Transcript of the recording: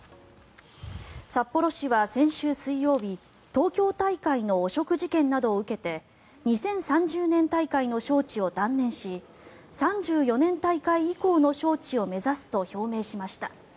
札幌市は先週水曜日東京大会の汚職事件などを受けて２０３０年大会の招致を断念し３４年大会以降の招致を目指すと表明しました。